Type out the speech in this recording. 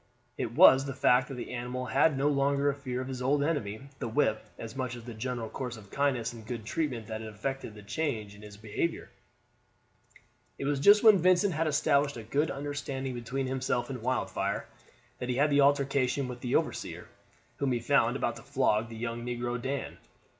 It was the fact that the animal had no longer a fear of his old enemy the whip as much as the general course of kindness and good treatment that had effected the change in his behavior. It was just when Vincent had established a good under standing between himself and Wildfire that he had the altercation with the overseer, whom he found about to flog the young negro Dan.